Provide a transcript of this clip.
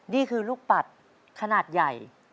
นี่คือลูกปัดขนาดใหญ่